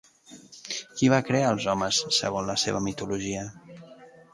Qui va crear els homes, segons la seva mitologia?